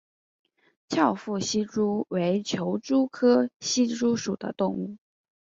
翘腹希蛛为球蛛科希蛛属的动物。